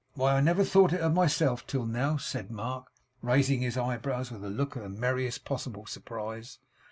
'Why, I never thought if of myself till now!' said Mark, raising his eyebrows with a look of the merriest possible surprise.